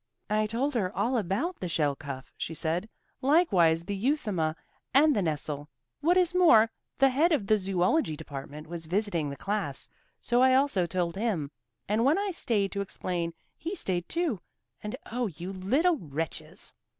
"I told her all about the shelcuff," she said, "likewise the euthuma and the nestle. What is more, the head of the zoology department was visiting the class, so I also told him, and when I stayed to explain he stayed too, and oh, you little wretches!"